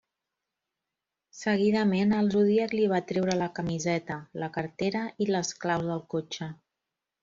Seguidament el Zodíac li va treure la camiseta, la cartera i les claus del cotxe.